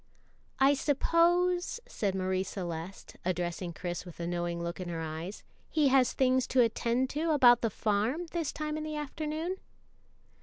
"I suppose," said Marie Celeste, addressing Chris with a knowing look in her eyes, "he has things to attend to about the farm this time in the afternoon?"